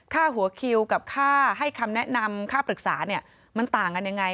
ค่าหัวคิวกับค่าให้คำแนะนำค่าปรึกษาเนี่ยมันต่างกันยังไง